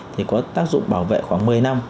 thì có tác dụng bảo vệ khoảng một mươi năm